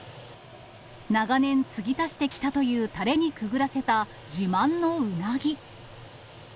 長年継ぎ足してきたという、たれにくぐらせた自慢のうなぎ。